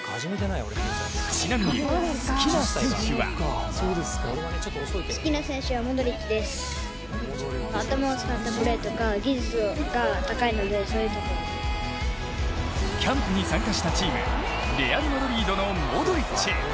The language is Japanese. ちなみに、好きな選手はキャンプに参加したチームレアル・マドリードのモドリッチ。